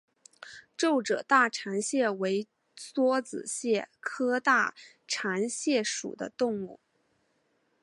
皱褶大蟾蟹为梭子蟹科大蟾蟹属的动物。